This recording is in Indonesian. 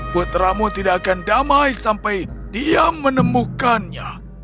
putramu tidak akan damai sampai dia menemukannya